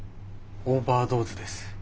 オーバードーズです。